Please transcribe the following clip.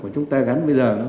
chúng ta gắn bây giờ